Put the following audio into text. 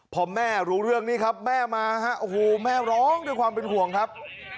พอแม่รู้เรื่องนี้ครับแม่มาฮะโอ้โหแม่ร้องด้วยความเป็นห่วงครับ